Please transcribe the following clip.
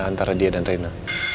antara dia dan reina